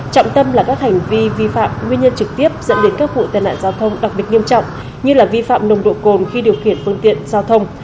trọng tâm là các hành vi vi phạm nguyên nhân trực tiếp dẫn đến các vụ tai nạn giao thông đặc biệt nghiêm trọng như vi phạm nồng độ cồn khi điều khiển phương tiện giao thông